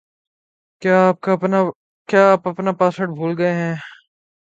کیا آپ اپنا پاسورڈ بھول گئے ہیں